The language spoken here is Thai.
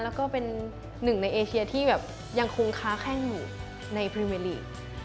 แล้วก็เป็นหนึ่งในเอเชียที่ยังคงค้าแข้งหนูในพริเมลี